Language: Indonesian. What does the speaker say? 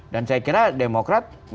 dan saya kira demokrat